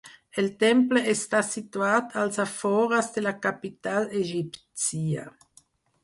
El temple està situat als afores de la capital egípcia.